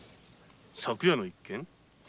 昨夜の一件？